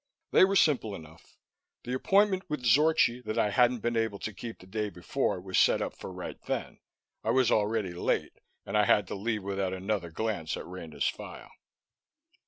They were simple enough. The appointment with Zorchi that I hadn't been able to keep the day before was set up for right then. I was already late and I had to leave without another glance at Rena's file.